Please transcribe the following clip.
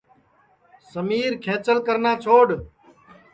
سمیر کھنٚچل کرنا چھوڈؔ